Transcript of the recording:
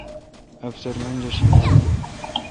افسر منجر شی نان۔